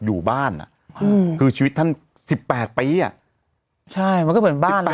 อยู่บ้านอ่ะอืมคือชีวิตท่านสิบแปดปีอ่ะใช่มันก็เหมือนบ้านอ่ะ